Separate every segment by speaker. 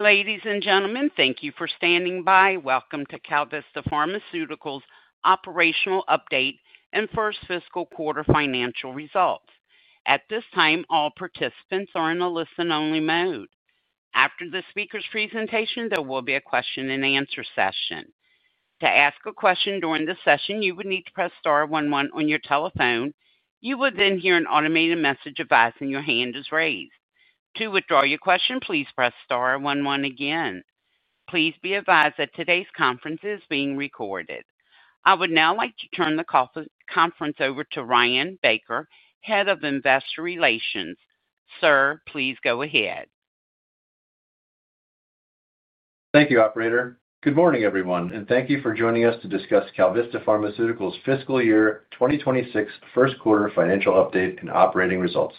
Speaker 1: Ladies and gentlemen, thank you for standing by. Welcome to KalVista Pharmaceuticals' Operational Update and First Fiscal Quarter Financial Results. At this time, all participants are in a listen-only mode. After the speaker's presentation, there will be a question and answer session. To ask a question during the session, you would need to press star one one on your telephone. You will then hear an automated message advising your hand is raised. To withdraw your question, please press star one one again. Please be advised that today's conference is being recorded. I would now like to turn the conference over to Ryan Baker, Head of Investor Relations. Sir, please go ahead.
Speaker 2: Thank you, Operator. Good morning, everyone, and thank you for joining us to discuss KalVista Pharmaceuticals' fiscal year 2026 first quarter financial update and operating results.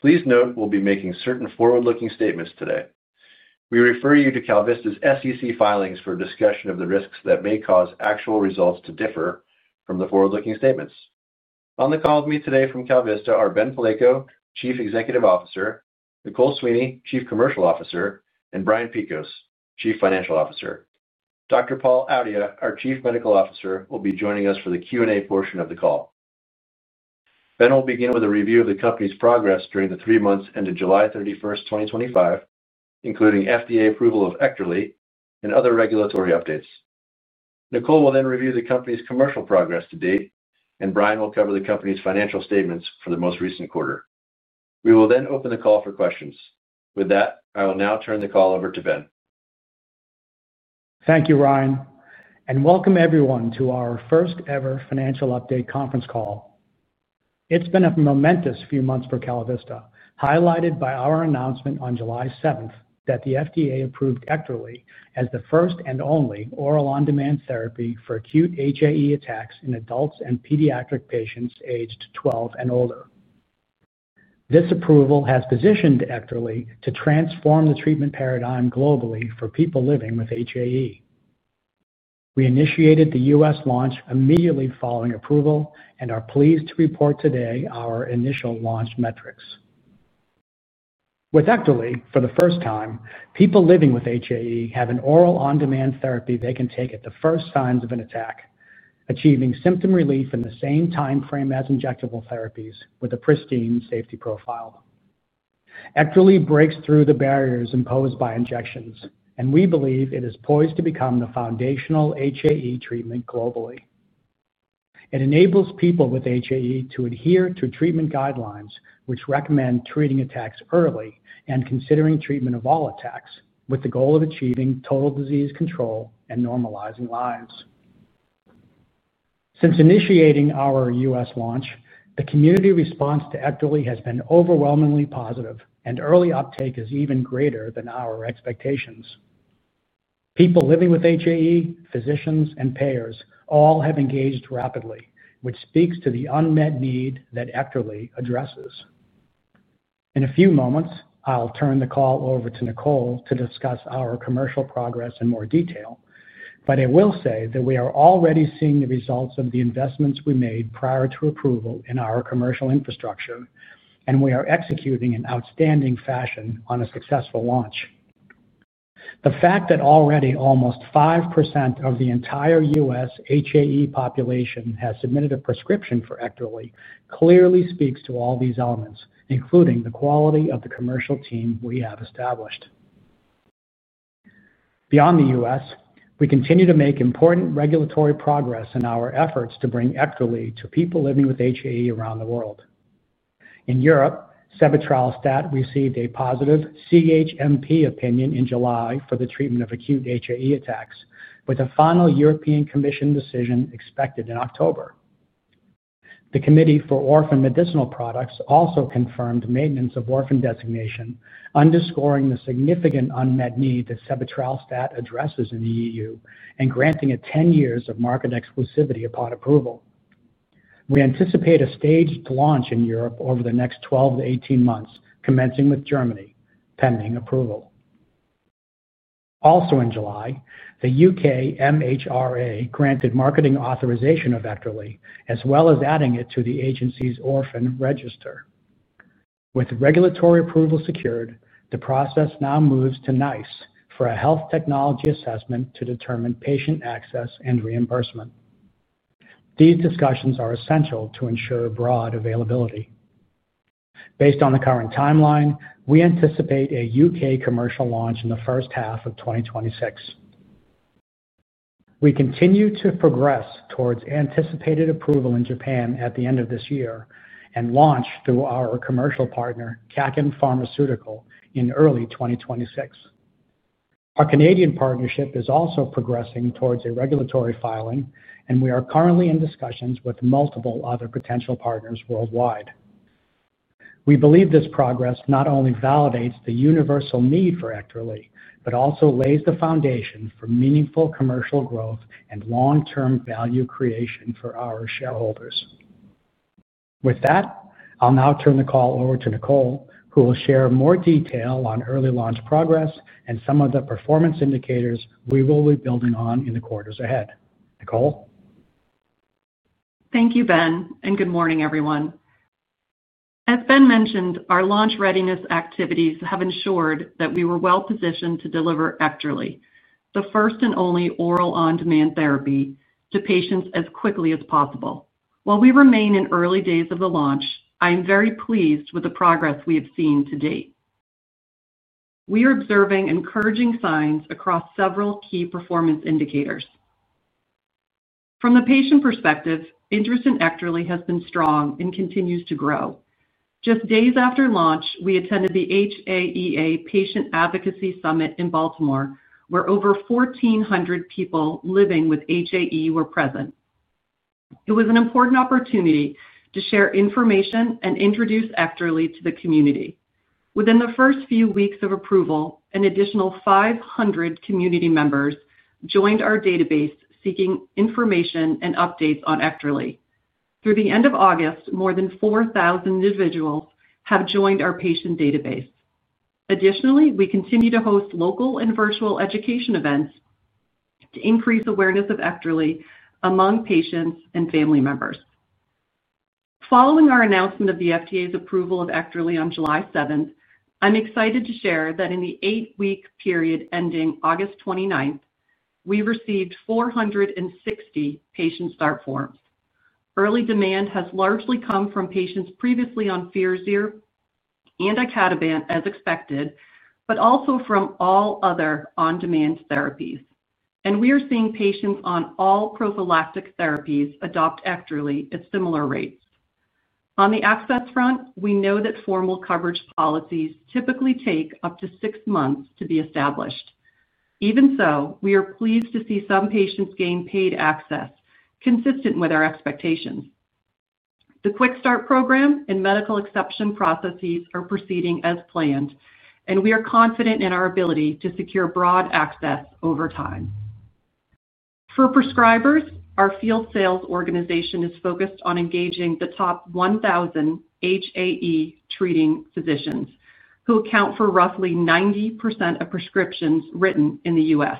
Speaker 2: Please note, we'll be making certain forward-looking statements today. We refer you to KalVista's SEC filings for discussion of the risks that may cause actual results to differ from the forward-looking statements. On the call with me today from KalVista are Ben Palleiko, Chief Executive Officer, Nicole Sweeny, Chief Commercial Officer, and Brian Piekos, Chief Financial Officer. Dr. Paul Audhya, our Chief Medical Officer, will be joining us for the Q&A portion of the call. Ben will begin with a review of the company's progress during the three months ending July 31st, 2025, including FDA approval of EKTERLY and other regulatory updates. Nicole will then review the company's commercial progress to date, and Brian will cover the company's financial statements for the most recent quarter. We will then open the call for questions. With that, I will now turn the call over to Ben.
Speaker 3: Thank you, Ryan, and welcome everyone to our first-ever financial update conference call. It's been a momentous few months for KalVista, highlighted by our announcement on July 7th that the FDA approved EKTERLY as the first and only oral on-demand therapy for acute HAE attacks in adults and pediatric patients aged 12 and older. This approval has positioned EKTERLY to transform the treatment paradigm globally for people living with HAE. We initiated the U.S. launch immediately following approval and are pleased to report today our initial launch metrics. With EKTERLY, for the first time, people living with HAE have an oral on-demand therapy they can take at the first signs of an attack, achieving symptom relief in the same timeframe as injectable therapies, with a pristine safety profile. EKTERLY breaks through the barriers imposed by injections, and we believe it is poised to become the foundational HAE treatment globally. It enables people with HAE to adhere to treatment guidelines which recommend treating attacks early and considering treatment of all attacks, with the goal of achieving total disease control and normalizing lives. Since initiating our U.S. launch, the community response to EKTERLY has been overwhelmingly positive, and early uptake is even greater than our expectations. People living with HAE, physicians, and payers all have engaged rapidly, which speaks to the unmet need that EKTERLY addresses. In a few moments, I'll turn the call over to Nicole to discuss our commercial progress in more detail, but I will say that we are already seeing the results of the investments we made prior to approval in our commercial infrastructure, and we are executing in outstanding fashion on a successful launch. The fact that already almost 5% of the entire U.S. HAE population has submitted a prescription for EKTERLY clearly speaks to all these elements, including the quality of the commercial team we have established. Beyond the U.S., we continue to make important regulatory progress in our efforts to bring EKTERLY to people living with HAE around the world. In Europe, sebetralstat received a positive CHMP opinion in July for the treatment of acute HAE attacks, with a final European Commission decision expected in October. The Committee for Orphan Medicinal Products also confirmed maintenance of orphan designation, underscoring the significant unmet need that sebetralstat addresses in the EU and granting it 10 years of market exclusivity upon approval. We anticipate a staged launch in Europe over the next 12 to 18 months, commencing with Germany, pending approval. Also in July, the UK MHRA granted marketing authorization of EKTERLY, as well as adding it to the agency's orphan register. With regulatory approval secured, the process now moves to NICE for a health technology assessment to determine patient access and reimbursement. These discussions are essential to ensure broad availability. Based on the current timeline, we anticipate a UK commercial launch in the first half of 2026. We continue to progress towards anticipated approval in Japan at the end of this year and launch through our commercial partner, KAKEN PHARMACEUTICAL, in early 2026. Our Canadian partnership is also progressing towards a regulatory filing, and we are currently in discussions with multiple other potential partners worldwide. We believe this progress not only validates the universal need for EKTERLY, but also lays the foundation for meaningful commercial growth and long-term value creation for our shareholders. With that, I'll now turn the call over to Nicole, who will share more detail on early launch progress and some of the performance indicators we will be building on in the quarters ahead. Nicole?
Speaker 4: Thank you, Ben, and good morning, everyone. As Ben mentioned, our launch readiness activities have ensured that we were well positioned to deliver EKTERLY, the first and only oral on-demand therapy, to patients as quickly as possible. While we remain in early days of the launch, I am very pleased with the progress we have seen to date. We are observing encouraging signs across several key performance indicators. From the patient perspective, interest in EKTERLY has been strong and continues to grow. Just days after launch, we attended the HAEA Patient Advocacy Summit in Baltimore, where over 1,400 people living with HAE were present. It was an important opportunity to share information and introduce EKTERLY to the community. Within the first few weeks of approval, an additional 500 community members joined our database seeking information and updates on EKTERLY. Through the end of August, more than 4,000 individuals have joined our patient database. Additionally, we continue to host local and virtual education events to increase awareness of EKTERLY among patients and family members. Following our announcement of the FDA's approval of EKTERLY on July 7, I'm excited to share that in the eight-week period ending August 29, we received 460 patient start forms. Early demand has largely come from patients previously on Fioricet and [Acadavant] as expected, but also from all other on-demand therapies. We are seeing patients on all prophylactic therapies adopt EKTERLY at similar rates. On the access front, we know that formal coverage policies typically take up to six months to be established. Even so, we are pleased to see some patients gain paid access, consistent with our expectations. The quick start program and medical exception processes are proceeding as planned, and we are confident in our ability to secure broad access over time. For prescribers, our field sales organization is focused on engaging the top 1,000 HAE-treating physicians, who account for roughly 90% of prescriptions written in the U.S.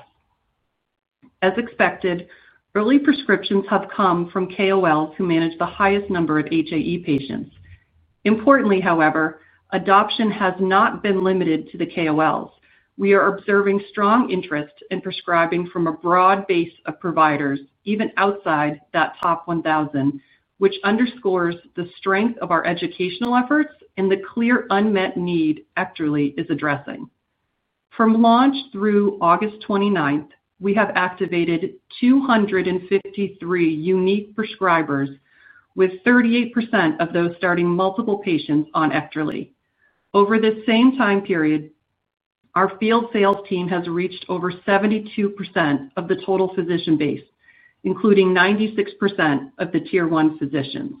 Speaker 4: As expected, early prescriptions have come from KOLs who manage the highest number of HAE patients. Importantly, however, adoption has not been limited to the KOLs. We are observing strong interest in prescribing from a broad base of providers, even outside that top 1,000, which underscores the strength of our educational efforts and the clear unmet need EKTERLY is addressing. From launch through August 29, we have activated 253 unique prescribers, with 38% of those starting multiple patients on EKTERLY. Over this same time period, our field sales team has reached over 72% of the total physician base, including 96% of the tier one physicians.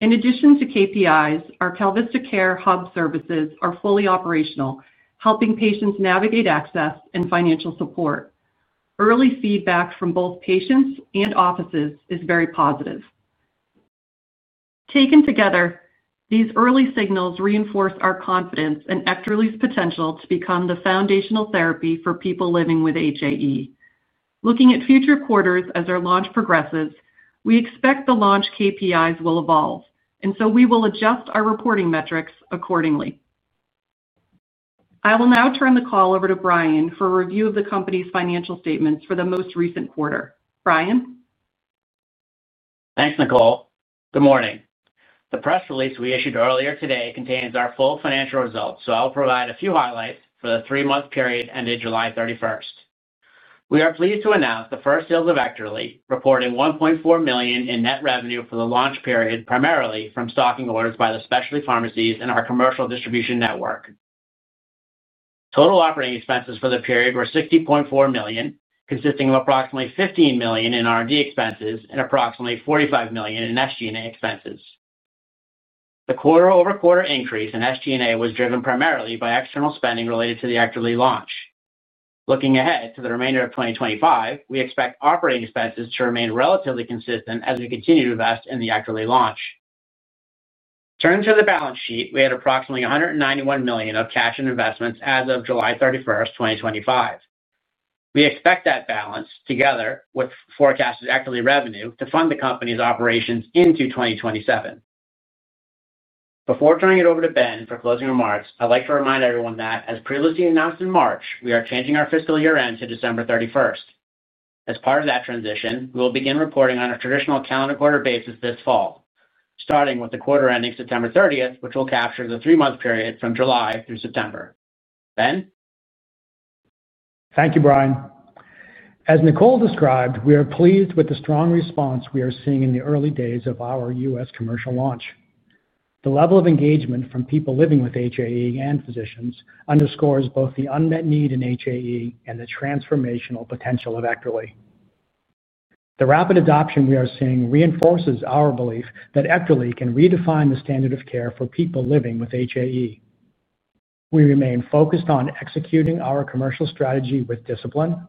Speaker 4: In addition to KPIs, our KalVista Care Hub services are fully operational, helping patients navigate access and financial support. Early feedback from both patients and offices is very positive. Taken together, these early signals reinforce our confidence in EKTERLY's potential to become the foundational therapy for people living with HAE. Looking at future quarters as our launch progresses, we expect the launch KPIs will evolve, and we will adjust our reporting metrics accordingly. I will now turn the call over to Brian for a review of the company's financial statements for the most recent quarter. Brian?
Speaker 5: Thanks, Nicole. Good morning. The press release we issued earlier today contains our full financial results, so I'll provide a few highlights for the three-month period ending July 31st. We are pleased to announce the first sales of EKTERLY, reporting $1.4 million in net revenue for the launch period, primarily from stocking orders by the specialty pharmacies in our commercial distribution network. Total operating expenses for the period were $60.4 million, consisting of approximately $15 million in R&D expenses and approximately $45 million in SG&A expenses. The quarter-over-quarter increase in SG&A was driven primarily by external spending related to the EKTERLY launch. Looking ahead to the remainder of 2025, we expect operating expenses to remain relatively consistent as we continue to invest in the EKTERLY launch. Turning to the balance sheet, we had approximately $191 million of cash in investments as of July 31st, 2025. We expect that balance, together with forecasted EKTERLY revenue, to fund the company's operations into 2027. Before turning it over to Ben for closing remarks, I'd like to remind everyone that, as previously announced in March, we are changing our fiscal year end to December 31st. As part of that transition, we will begin reporting on a traditional calendar quarter basis this fall, starting with the quarter ending September 30th, which will capture the three-month period from July through September. Ben?
Speaker 3: Thank you, Brian. As Nicole described, we are pleased with the strong response we are seeing in the early days of our U.S. commercial launch. The level of engagement from people living with HAE and physicians underscores both the unmet need in HAE and the transformational potential of EKTERLY. The rapid adoption we are seeing reinforces our belief that EKTERLY can redefine the standard of care for people living with HAE. We remain focused on executing our commercial strategy with discipline,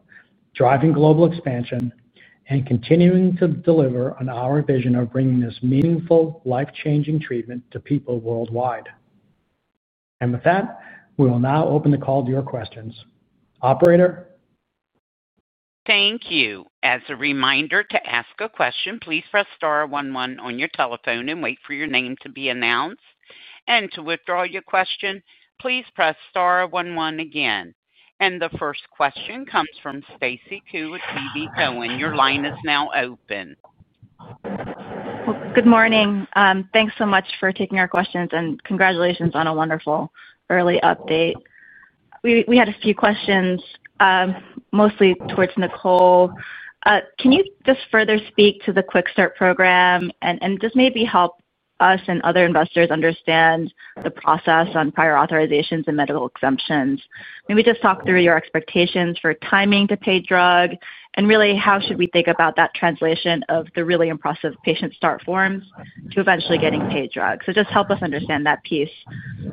Speaker 3: driving global expansion, and continuing to deliver on our vision of bringing this meaningful, life-changing treatment to people worldwide. We will now open the call to your questions. Operator?
Speaker 1: Thank you. As a reminder, to ask a question, please press star one one on your telephone and wait for your name to be announced. To withdraw your question, please press star one one again. The first question comes from Stacy Koo with TV Co, and your line is now open.
Speaker 6: Good morning. Thanks so much for taking our questions and congratulations on a wonderful early update. We had a few questions, mostly towards Nicole. Can you further speak to the quick start program and maybe help us and other investors understand the process on prior authorizations and medical exemptions? Maybe talk through your expectations for timing to paid drug and how we should think about that translation of the really impressive patient start forms to eventually getting paid drugs. Help us understand that piece.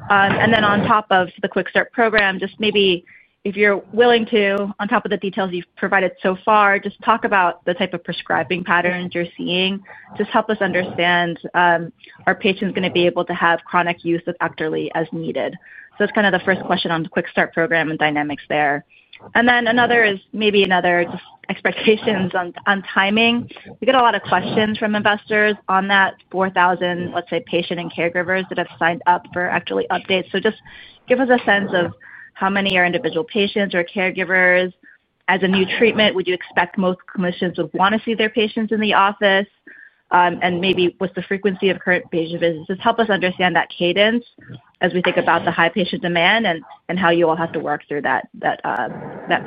Speaker 6: On top of the quick start program, if you're willing to, on top of the details you've provided so far, talk about the type of prescribing patterns you're seeing. Help us understand, are patients going to be able to have chronic use of EKTERLY as needed? That's the first question on the quick start program and dynamics there. Another is maybe just expectations on timing. We get a lot of questions from investors on that 4,000, let's say, patients and caregivers that have signed up for EKTERLY updates. Give us a sense of how many are individual patients or caregivers. As a new treatment, would you expect most clinicians would want to see their patients in the office? With the frequency of current patient visits, help us understand that cadence as we think about the high patient demand and how you all have to work through that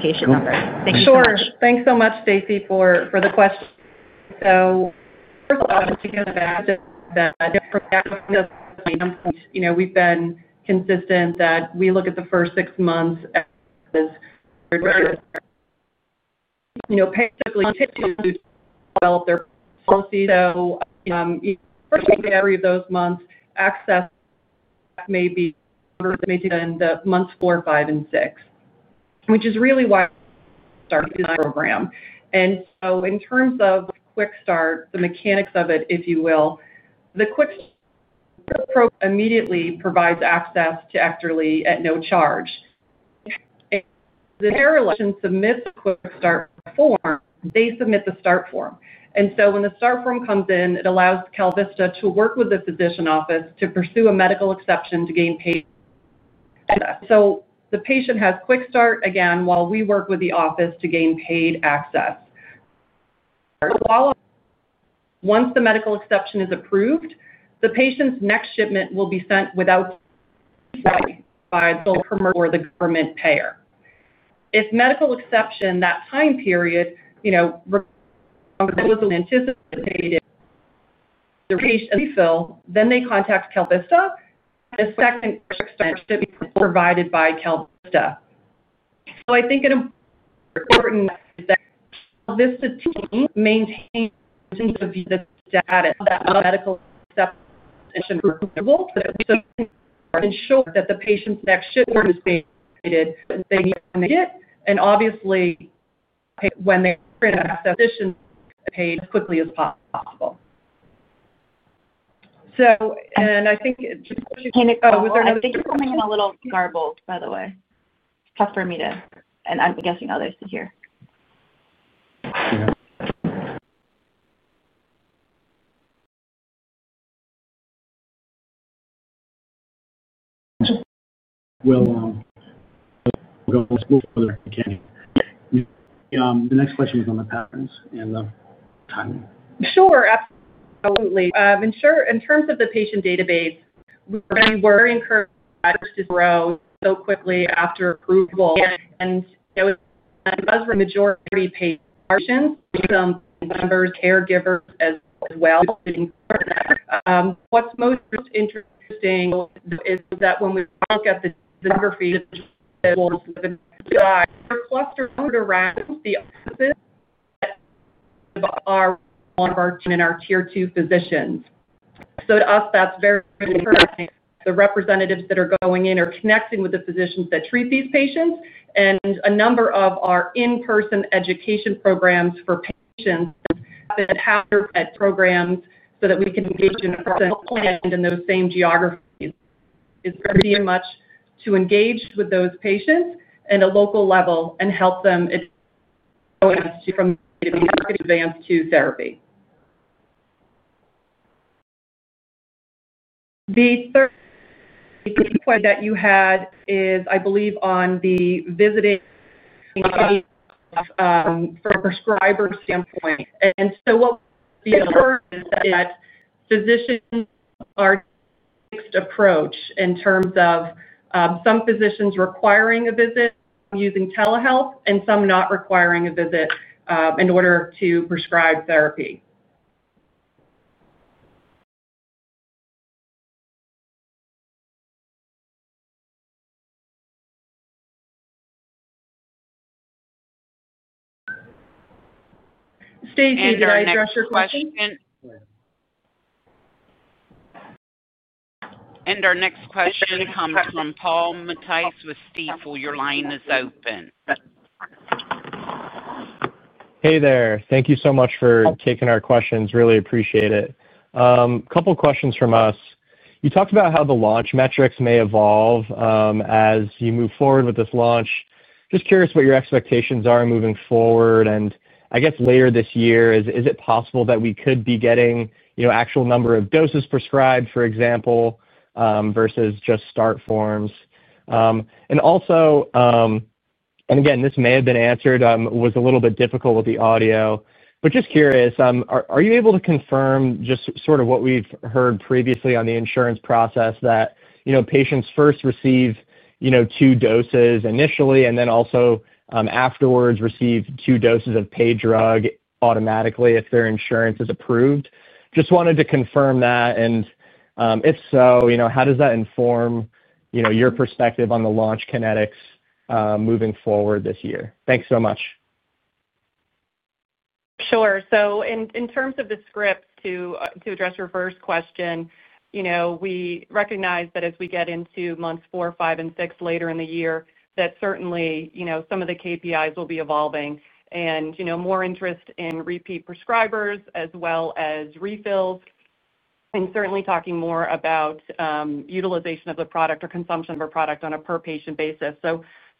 Speaker 6: patient number. Thank you so much.
Speaker 4: Sure. Thanks so much, Stacy, for the question. First of all, just to give an answer to that, I think for EKTERLY, we've been consistent that we look at the first six months and patients continue to develop their policies. You know, first week of every one of those months, access may be limited in months four, five, and six, which is really why we started this program. In terms of quick start, the mechanics of it, if you will, the quick start program immediately provides access to EKTERLY at no charge. The caregivers submit the quick start form. They submit the start form. When the start form comes in, it allows KalVista to work with the physician office to pursue a medical exception to gain paid access. The patient has quick start again while we work with the office to gain paid access. Once the medical exception is approved, the patient's next shipment will be sent without the bill from the government payer. If medical exception is not approved in that time period, you know, the patient needs a refill, then they contact KalVista. The second shipment is provided by KalVista. I think it's important that this team maintains the data that medical exception is applicable to ensure that the patient's next shipment is being paid and obviously when they're in a physician's paid as quickly as possible. I think just to finish, I think.
Speaker 6: I think you're coming in a little garbled, by the way. Tough for me to, and I guess you know this, to hear.
Speaker 3: You're alone. I'll go a little further at the beginning. The next question was on the patterns and the timing.
Speaker 4: Sure. Absolutely. In terms of the patient database, we were very encouraged to grow so quickly after approval. As the majority of patients become members of caregivers as well, to ensure that what's most interesting is that when we look at the demography, it's just that we'll see a clustered around the office of our onboarding and our tier two physicians. To us, that's very encouraging. The representatives that are going in are connecting with the physicians that treat these patients. A number of our in-person education programs for patients have their pet programs so that we can engage in person in those same geographies. It's going to be much to engage with those patients at a local level and help them from advanced to therapy. The third input that you had is, I believe, on the visiting for a prescriber standpoint. What we observed is that physicians are approached in terms of some physicians requiring a visit using telehealth and some not requiring a visit in order to prescribe therapy. Stacy, did I address your question?
Speaker 1: Our next question comes from Paul Matteis with Stifel. Your line is open.
Speaker 7: Hey there. Thank you so much for taking our questions. Really appreciate it. A couple of questions from us. You talked about how the launch metrics may evolve as you move forward with this launch. Just curious what your expectations are moving forward. Later this year, is it possible that we could be getting, you know, actual number of doses prescribed, for example, versus just start forms? Also, and again, this may have been answered, was a little bit difficult with the audio. Just curious, are you able to confirm just sort of what we've heard previously on the insurance process that, you know, patients first receive, you know, two doses initially and then also, afterwards receive two doses of paid drug automatically if their insurance is approved? Just wanted to confirm that. If so, you know, how does that inform, you know, your perspective on the launch kinetics, moving forward this year? Thanks so much.
Speaker 4: Sure. In terms of the script to address your first question, we recognize that as we get into months four, five, and six later in the year, certainly some of the KPIs will be evolving and more interest in repeat prescribers as well as refills and talking more about utilization of the product or consumption of a product on a per-patient basis. We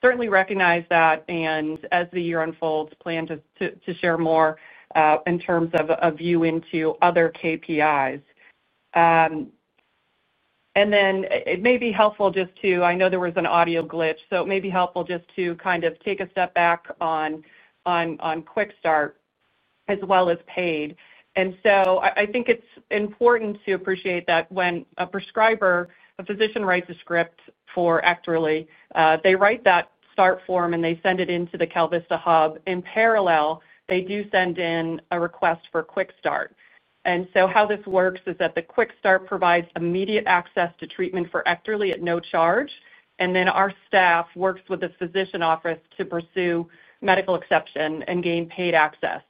Speaker 4: certainly recognize that, and as the year unfolds, plan to share more in terms of a view into other KPIs. It may be helpful, I know there was an audio glitch, so it may be helpful to take a step back on quick start as well as paid. I think it's important to appreciate that when a prescriber, a physician, writes a script for EKTERLY, they write that start form and send it into the KalVista Hub. In parallel, they send in a request for quick start. How this works is that the quick start provides immediate access to treatment for EKTERLY at no charge, and then our staff works with the physician office to pursue medical exception and gain paid access.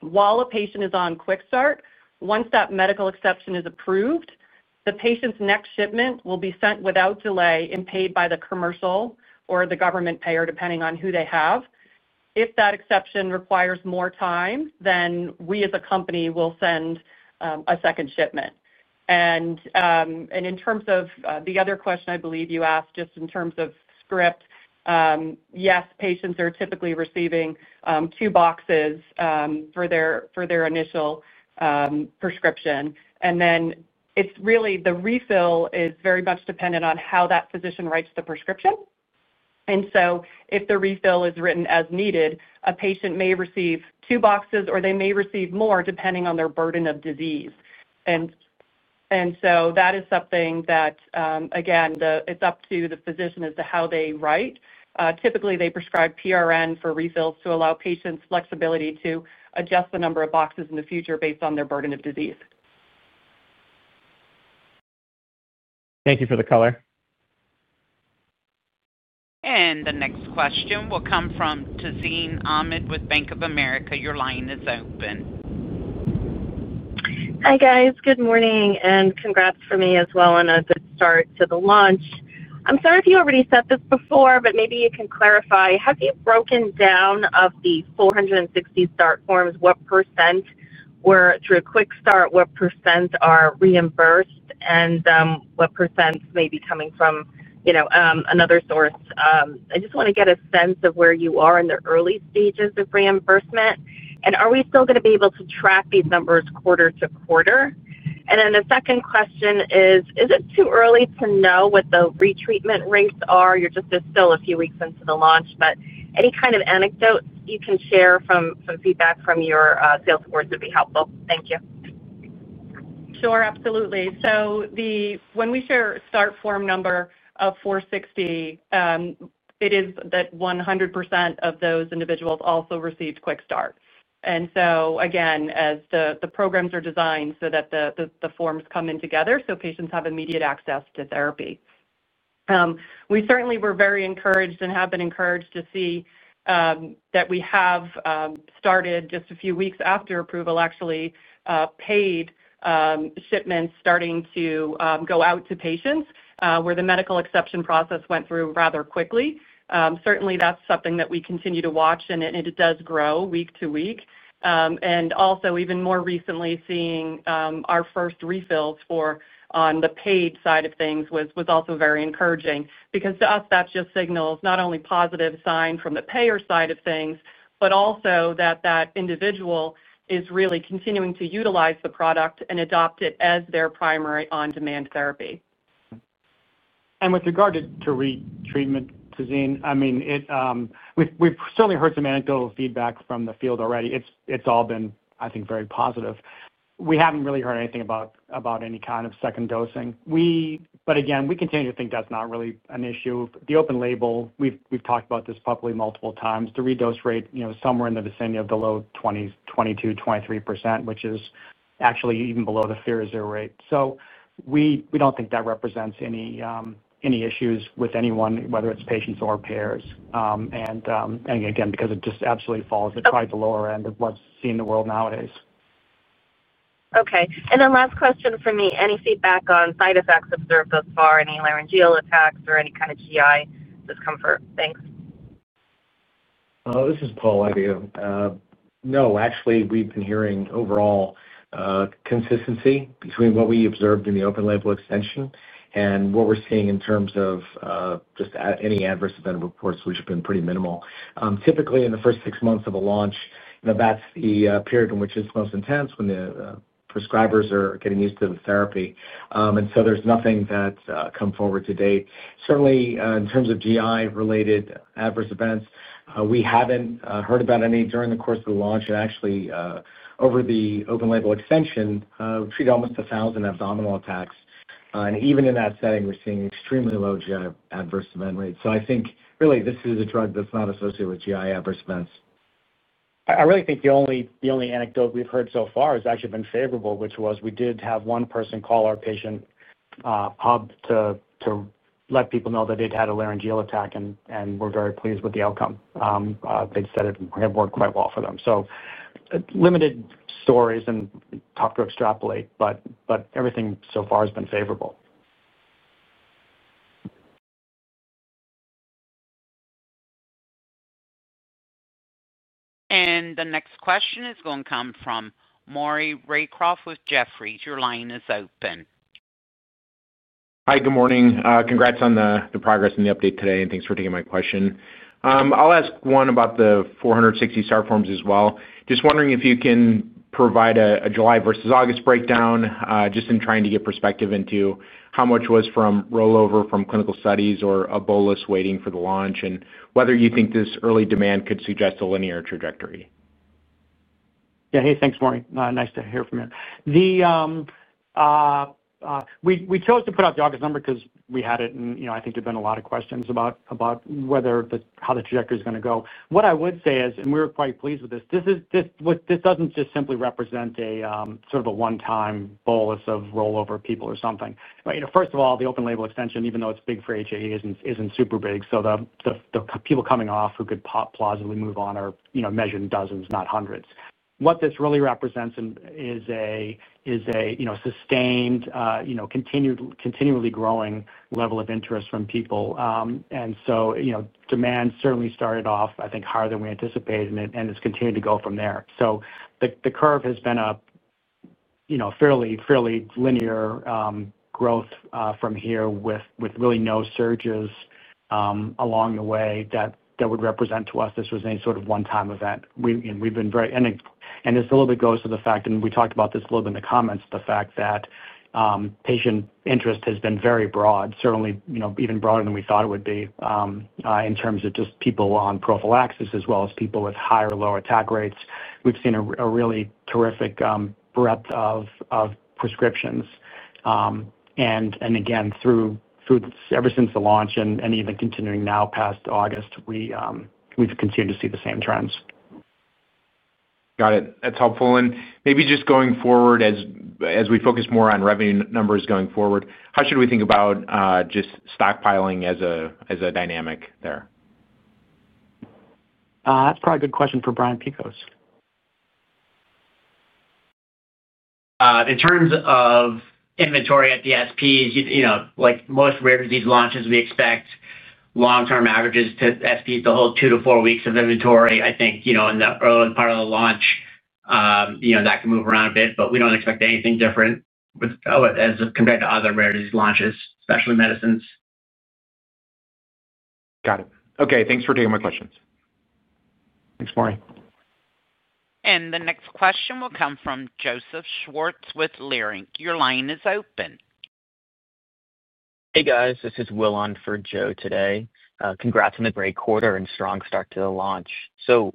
Speaker 4: While a patient is on quick start, once that medical exception is approved, the patient's next shipment will be sent without delay and paid by the commercial or the government payer, depending on who they have. If that exception requires more time, then we as a company will send a second shipment. In terms of the other question I believe you asked, just in terms of script, yes, patients are typically receiving two boxes for their initial prescription. The refill is very much dependent on how that physician writes the prescription. If the refill is written as needed, a patient may receive two boxes or they may receive more depending on their burden of disease. That is something that, again, it's up to the physician as to how they write. Typically, they prescribe p.r.n. for refills to allow patients flexibility to adjust the number of boxes in the future based on their burden of disease.
Speaker 7: Thank you for the color.
Speaker 1: The next question will come from Tazeen Ahmad with Bank of America. Your line is open.
Speaker 8: Hi guys, good morning and congrats from me as well and a good start to the launch. I'm sorry if you already said this before, but maybe you can clarify, have you broken down of the 460 start forms, what percent were through a quick start, what percent are reimbursed, and what percent may be coming from, you know, another source? I just want to get a sense of where you are in the early stages of reimbursement. Are we still going to be able to track these numbers quarter to quarter? The second question is, is it too early to know what the re-treatment rates are? You're just still a few weeks into the launch, but any kind of anecdotes you can share from feedback from your sales boards would be helpful. Thank you.
Speaker 4: Sure, absolutely. When we share a start form number of 460, it is that 100% of those individuals also received quick start. As the programs are designed so that the forms come in together, patients have immediate access to therapy. We certainly were very encouraged and have been encouraged to see that we have started just a few weeks after approval, actually paid shipments starting to go out to patients where the medical exception process went through rather quickly. That is something that we continue to watch and it does grow week to week. Also, even more recently, seeing our first refills for on the paid side of things was also very encouraging because to us that just signals not only a positive sign from the payer side of things, but also that that individual is really continuing to utilize the product and adopt it as their primary on-demand therapy.
Speaker 3: With regard to re-treatment, Tazeen, we've certainly heard some anecdotal feedback from the field already. It's all been, I think, very positive. We haven't really heard anything about any kind of second dosing. We continue to think that's not really an issue. The open label, we've talked about this probably multiple times, the re-dose rate, you know, somewhere in the vicinity of the low 20%, 22%, 23%, which is actually even below the zero rate. We don't think that represents any issues with anyone, whether it's patients or payers. It just absolutely falls at the lower end of what's seen in the world nowadays.
Speaker 8: Okay. Last question for me, any feedback on side effects observed so far, any laryngeal attacks or any kind of GI discomfort? Thanks.
Speaker 2: Actually, we've been hearing overall consistency between what we observed in the open label extension and what we're seeing in terms of just any adverse event reports, which have been pretty minimal. Typically, in the first six months of a launch, that's the period in which it's most intense when the prescribers are getting used to the therapy. There's nothing that's come forward to date. Certainly, in terms of GI-related adverse events, we haven't heard about any during the course of the launch. Over the open label extension, we treated almost 1,000 abdominal attacks. Even in that setting, we're seeing extremely low GI adverse event rates. I think really this is a drug that's not associated with GI adverse events.
Speaker 3: I really think the only anecdote we've heard so far has actually been favorable, which was we did have one person call our patient hub to let people know that they'd had a laryngeal attack and were very pleased with the outcome. They said it had worked quite well for them. Limited stories and tough to extrapolate, but everything so far has been favorable.
Speaker 1: The next question is going to come from Maury Raycroft with Jefferies. Your line is open.
Speaker 9: Hi, good morning. Congrats on the progress and the update today, and thanks for taking my question. I'll ask one about the 460 start forms as well. Just wondering if you can provide a July versus August breakdown, just in trying to get perspective into how much was from rollover from clinical studies or a bolus waiting for the launch and whether you think this early demand could suggest a linear trajectory.
Speaker 3: Yeah, hey, thanks, Maury. Nice to hear from you. We chose to put out the August number because we had it, and I think there have been a lot of questions about how the trajectory is going to go. What I would say is, and we were quite pleased with this, this doesn't just simply represent a sort of a one-time bolus of rollover people or something. First of all, the open label extension, even though it's big for HAE, isn't super big. The people coming off who could plausibly move on are measured in dozens, not hundreds. What this really represents is a sustained, continually growing level of interest from people. Demand certainly started off, I think, higher than we anticipated, and it's continued to go from there. The curve has been a fairly linear growth from here with really no surges along the way that would represent to us this was any sort of one-time event. We've been very, and this a little bit goes to the fact, and we talked about this a little bit in the comments, the fact that patient interest has been very broad, certainly even broader than we thought it would be in terms of just people on prophylaxis as well as people with high or low attack rates. We've seen a really terrific breadth of prescriptions. Again, through ever since the launch and even continuing now past August, we've continued to see the same trends.
Speaker 9: Got it. That's helpful. Maybe just going forward as we focus more on revenue numbers going forward, how should we think about just stockpiling as a dynamic there?
Speaker 3: That's probably a good question for Brian Piekos.
Speaker 5: In terms of inventory at the specialty pharmacies, like most rare disease launches, we expect long-term averages for specialty pharmacies to hold two to four weeks of inventory. In the early part of the launch, that can move around a bit, but we don't expect anything different as compared to other rare disease launches, especially medicines.
Speaker 9: Got it. Okay. Thanks for taking my questions.
Speaker 3: Thanks, Maury.
Speaker 1: The next question will come from Joseph Schwartz with Leerink. Your line is open.
Speaker 10: Hey guys, this is Willan for Joe today. Congrats on the great quarter and strong start to the launch.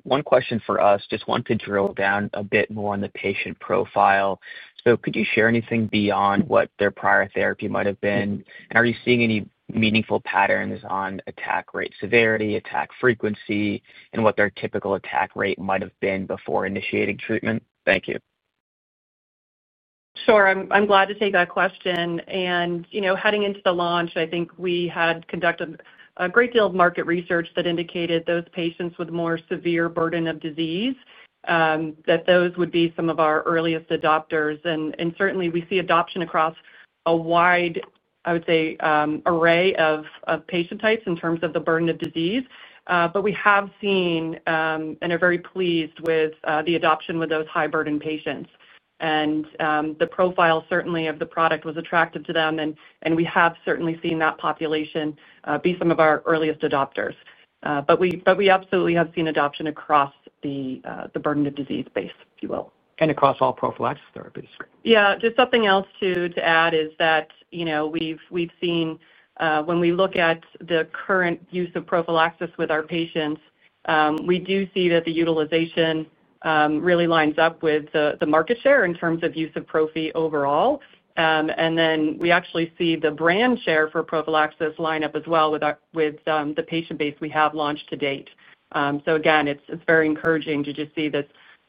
Speaker 10: One question for us, just want to drill down a bit more on the patient profile. Could you share anything beyond what their prior therapy might have been? Are you seeing any meaningful patterns on attack rate severity, attack frequency, and what their typical attack rate might have been before initiating treatment? Thank you.
Speaker 4: Sure. I'm glad to take that question. Heading into the launch, I think we had conducted a great deal of market research that indicated those patients with more severe burden of disease would be some of our earliest adopters. We see adoption across a wide array of patient types in terms of the burden of disease. We have seen and are very pleased with the adoption with those high-burden patients. The profile of the product was attractive to them. We have seen that population be some of our earliest adopters. We absolutely have seen adoption across the burden of disease base, if you will.
Speaker 10: Across all prophylactic therapies.
Speaker 4: Yeah, just something else to add is that, you know, we've seen, when we look at the current use of prophylaxis with our patients, we do see that the utilization really lines up with the market share in terms of use of prophylaxis overall. We actually see the brand share for prophylaxis line up as well with the patient base we have launched to date. It is very encouraging to just see this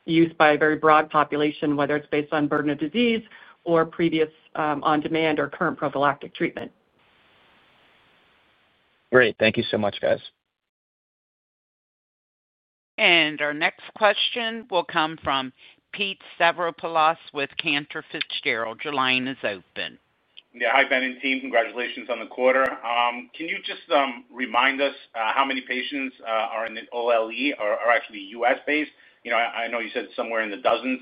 Speaker 4: use by a very broad population, whether it's based on burden of disease or previous on-demand or current prophylactic treatment.
Speaker 10: Great. Thank you so much, guys.
Speaker 1: Our next question will come from Pete Stavropoulos with Cantor Fitzgerald. Your line is open.
Speaker 11: Yeah, hi, Ben and team. Congratulations on the quarter. Can you just remind us how many patients are in the OLE or are actually U.S.-based? I know you said it's somewhere in the dozens.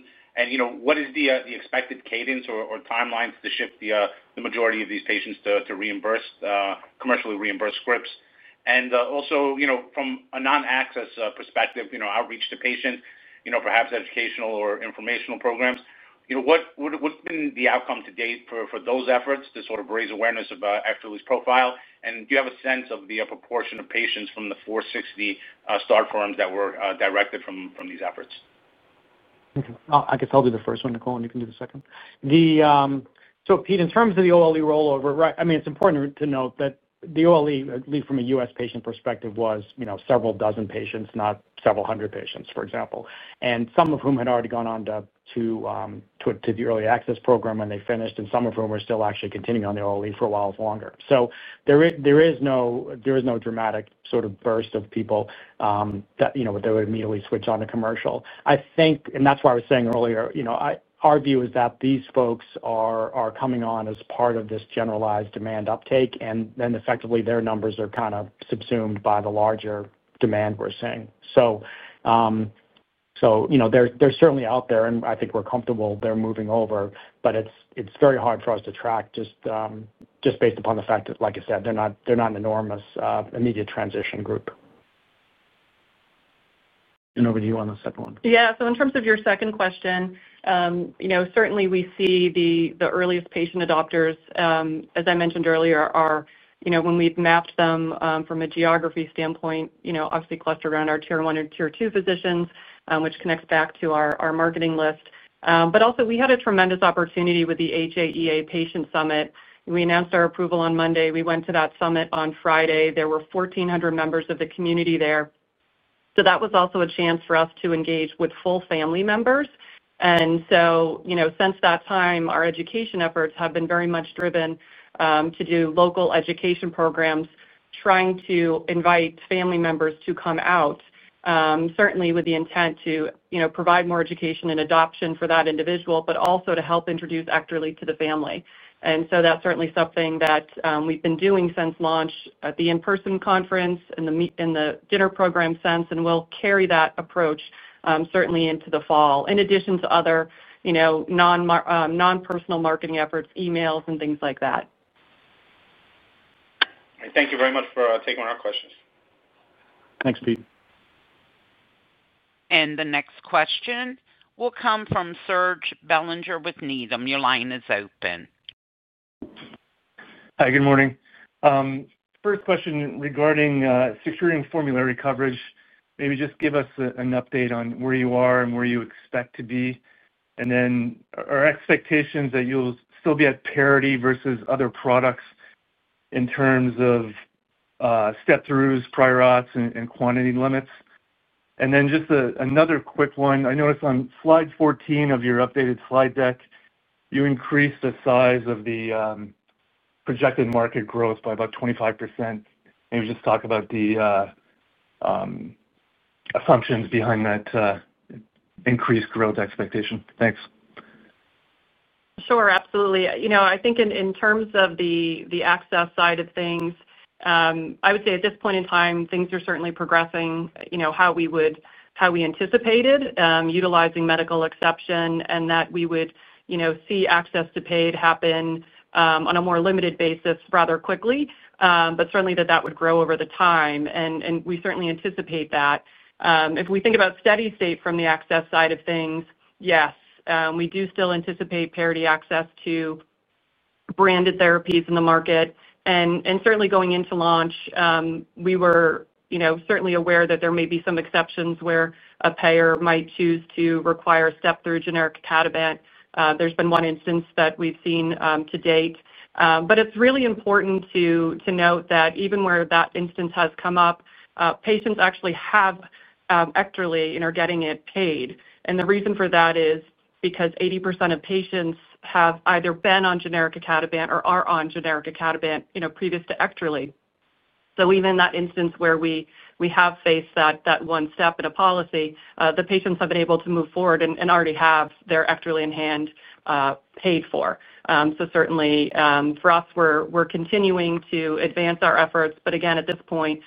Speaker 11: What is the expected cadence or timeline to shift the majority of these patients to commercially reimbursed scripts? Also, from a non-access perspective, outreach to patients, perhaps educational or informational programs, what's been the outcome to date for those efforts to sort of raise awareness about EKTERLY's profile? Do you have a sense of the proportion of patients from the 460 start forms that were directed from these efforts?
Speaker 3: I can do the first one, Nicole, and you can do the second. Pete, in terms of the OLE rollover, it's important to note that the OLE, at least from a U.S. patient perspective, was several dozen patients, not several hundred patients, for example. Some of whom had already gone on to the early access program and finished, and some of whom are still actually continuing on the OLE for a while longer. There is no dramatic sort of burst of people that would immediately switch on to commercial. I think that's why I was saying earlier, our view is that these folks are coming on as part of this generalized demand uptake, and then effectively their numbers are kind of subsumed by the larger demand we're seeing. They're certainly out there, and I think we're comfortable they're moving over, but it's very hard for us to track just based upon the fact that, like I said, they're not an enormous immediate transition group. Over to you on the second one.
Speaker 4: Yeah, so in terms of your second question, certainly we see the earliest patient adopters, as I mentioned earlier, are, when we mapped them from a geography standpoint, obviously clustered around our tier one and tier two physicians, which connects back to our marketing list. Also, we had a tremendous opportunity with the HAEA patient summit. We announced our approval on Monday. We went to that summit on Friday. There were 1,400 members of the community there. That was also a chance for us to engage with full family members. Since that time, our education efforts have been very much driven to do local education programs, trying to invite family members to come out, certainly with the intent to provide more education and adoption for that individual, but also to help introduce EKTERLY to the family. That's certainly something that we've been doing since launch at the in-person conference and the dinner program since, and we'll carry that approach certainly into the fall, in addition to other non-personal marketing efforts, emails, and things like that.
Speaker 11: Thank you very much for taking our questions.
Speaker 3: Thanks, Pete.
Speaker 1: The next question will come from Serge Belanger with Needham. Your line is open.
Speaker 12: Hi, good morning. First question regarding securing formulary coverage. Maybe just give us an update on where you are and where you expect to be. Our expectations are that you'll still be at parity versus other products in terms of step-throughs, prior auths, and quantity limits. I noticed on slide 14 of your updated slide deck, you increased the size of the projected market growth by about 25%. Maybe just talk about the assumptions behind that increased growth expectation. Thanks.
Speaker 4: Sure, absolutely. I think in terms of the access side of things, I would say at this point in time, things are certainly progressing how we anticipated utilizing medical exception and that we would see access to paid happen on a more limited basis rather quickly. That would grow over time, and we certainly anticipate that. If we think about steady state from the access side of things, yes, we do still anticipate parity access to branded therapies in the market. Certainly going into launch, we were aware that there may be some exceptions where a payer might choose to require a step-through generic [Acadevant]. There's been one instance that we've seen to date. It's really important to note that even where that instance has come up, patients actually have EKTERLY and are getting it paid. The reason for that is because 80% of patients have either been on generic [Acadevant] or are on generic [Acadevant] previous to EKTERLY. Even in that instance where we have faced that one step in a policy, the patients have been able to move forward and already have their EKTERLY in hand paid for. For us, we're continuing to advance our efforts. At this point,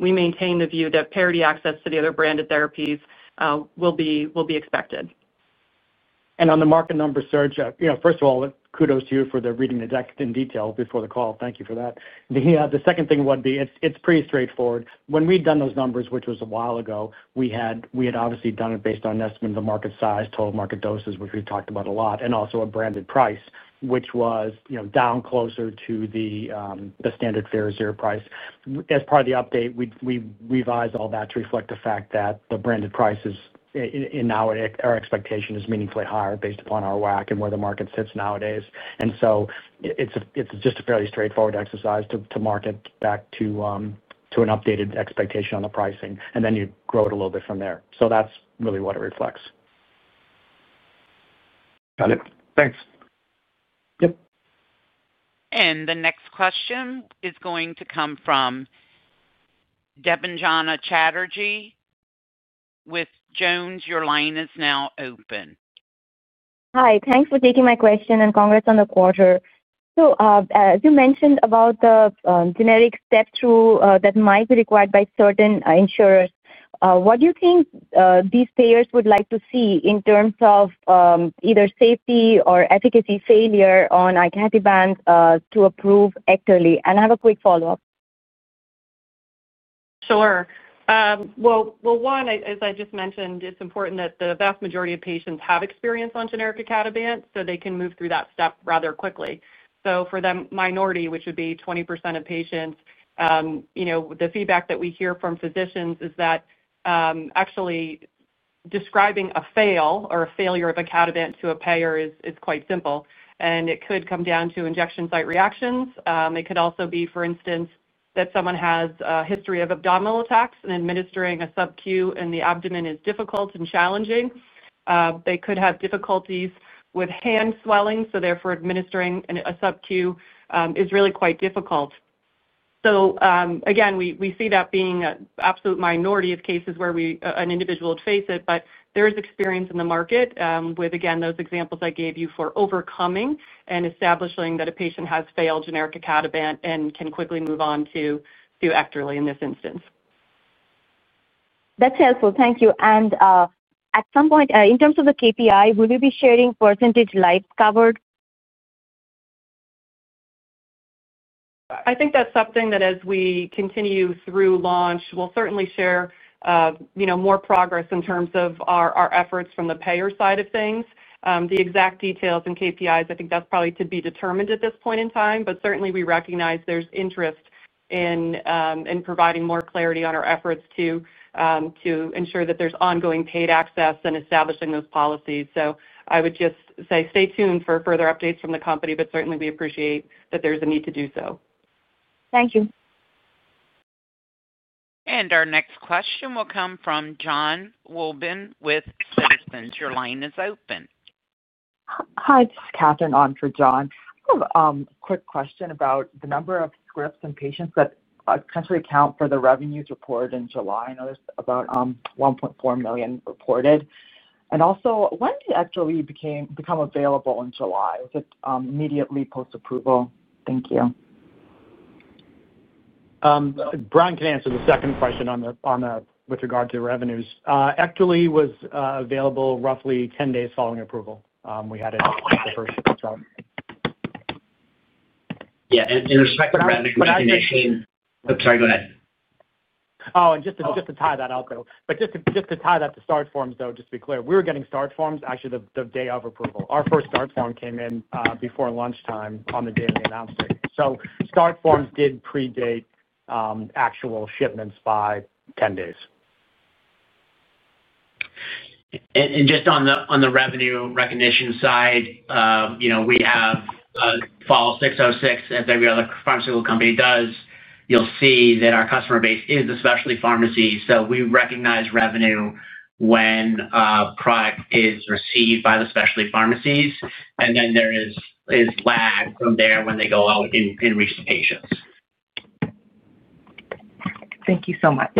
Speaker 4: we maintain the view that parity access to the other branded therapies will be expected.
Speaker 3: On the market numbers, Serge, first of all, kudos to you for reading the deck in detail before the call. Thank you for that. The second thing would be it's pretty straightforward. When we'd done those numbers, which was a while ago, we had obviously done it based on an estimate of the market size, total market doses, which we've talked about a lot, and also a branded price, which was down closer to the standard fair zero price. As part of the update, we revised all that to reflect the fact that the branded prices in our expectation is meaningfully higher based upon our WAC and where the market sits nowadays. It's just a fairly straightforward exercise to market back to an updated expectation on the pricing, and then you grow it a little bit from there. That's really what it reflects.
Speaker 12: Got it. Thanks.
Speaker 3: Yep.
Speaker 1: The next question is going to come from Devanjana Chatterjee with Jones. Your line is now open.
Speaker 13: Hi, thanks for taking my question and congrats on the quarter. As you mentioned about the generic step-through that might be required by certain insurers, what do you think these payers would like to see in terms of either safety or efficacy failure on a catavant to approve EKTERLY? I have a quick follow-up.
Speaker 4: Sure. As I just mentioned, it's important that the vast majority of patients have experience on generic [Acadavant] so they can move through that step rather quickly. For that minority, which would be 20% of patients, the feedback that we hear from physicians is that actually describing a fail or a failure of [Acadavant] to a payer is quite simple. It could come down to injection site reactions. It could also be, for instance, that someone has a history of abdominal attacks and administering a sub-Q in the abdomen is difficult and challenging. They could have difficulties with hand swelling, so therefore administering a sub-Q is really quite difficult. Again, we see that being an absolute minority of cases where an individual would face it, but there is experience in the market with those examples I gave you for overcoming and establishing that a patient has failed generic [Acadavant] and can quickly move on to EKTERLY in this instance.
Speaker 13: That's helpful. Thank you. At some point, in terms of the KPI, will you be sharing percent like covered?
Speaker 4: I think that's something that as we continue through launch, we'll certainly share more progress in terms of our efforts from the payer side of things. The exact details and KPIs, I think that's probably to be determined at this point in time, but certainly we recognize there's interest in providing more clarity on our efforts to ensure that there's ongoing paid access and establishing those policies. I would just say stay tuned for further updates from the company, but certainly we appreciate that there's a need to do so.
Speaker 13: Thank you.
Speaker 1: Our next question will come from John Walden with Citizens. Your line is open.
Speaker 14: Hi, this is Catherine on for John. I have a quick question about the number of scripts and patients that essentially account for the revenues reported in July. I know there's about $1.4 million reported. Also, when did EKTERLY become available in July? Was it immediately post-approval? Thank you.
Speaker 3: Brian can answer the second question on that with regard to revenues. EKTERLY was available roughly 10 days following approval. We had it on the 1st of the start.
Speaker 5: Yeah, in respect to revenues, we're getting the same... Oh, sorry, go ahead.
Speaker 3: Just to tie that to start forms, just to be clear, we were getting start forms actually the day of approval. Our first start form came in before lunchtime on the day of the announcement. Start forms did predate actual shipments by 10 days.
Speaker 2: On the revenue recognition side, we have [ASC] 606 that every other pharmaceutical company does. You'll see that our customer base is the specialty pharmacy. We recognize revenue when a product is received by the specialty pharmacies, and then there is lag from there when they go out and reach the patients.
Speaker 14: Thank you so much.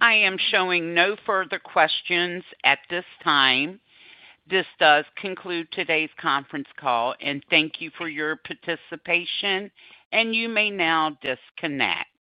Speaker 1: I am showing no further questions at this time. This does conclude today's conference call, and thank you for your participation, and you may now disconnect.